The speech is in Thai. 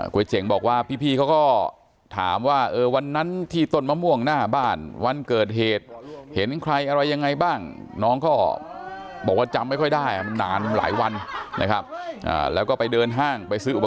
ก๋วยเจ๋งบอกว่าพี่เขาก็ถามว่าวันนั้นที่ต้นมะม่วงหน้าบ้านวันเกิดเหตุเห็นใครอะไรยังไงบ้าง